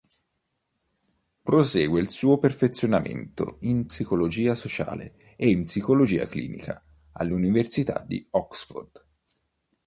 Prosegue il suo perfezionamento in Psicologia sociale e Psicologia clinica all'Università di Oxford.